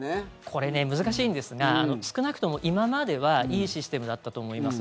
これ、難しいんですが少なくとも今まではいいシステムだったと思います。